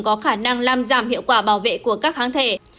có khả năng làm giảm hiệu quả bảo vệ của các kháng thể